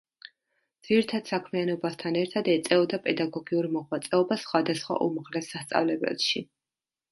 ძირითად საქმიანობასთან ერთად ეწეოდა პედაგოგიურ მოღვაწეობას სხვადასხვა უმაღლეს სასწავლებელში.